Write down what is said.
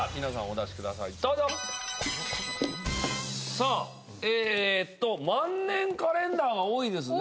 さあえーっと万年カレンダーが多いですね。